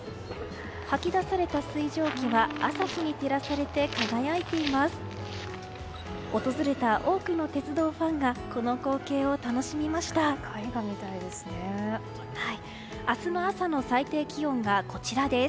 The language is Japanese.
吐き出された水蒸気は朝日に照らされて輝いています。